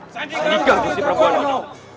sandika gusti prabowo